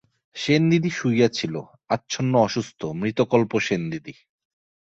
সেনদিদি শুইয়া ছিল, আচ্ছন্ন অসুস্থ, মৃতকল্প সেনদিদি।